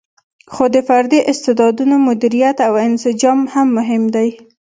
خو د فردي استعدادونو مدیریت او انسجام هم مهم دی.